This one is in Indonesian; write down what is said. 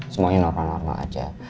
semuanya normal normal aja